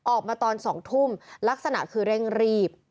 ออกมาตอน๒ทุ่มลักษณะคือเร่งรีบ